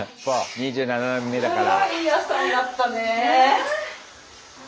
２７年目だから。